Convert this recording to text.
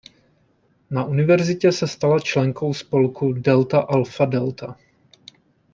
Na univerzitě se stala členkou spolku „Delta Alfa Delta“.